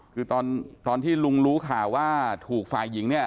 คือเมื่อกลุกลูกรู้ค่าว่าถูกไฟหญิง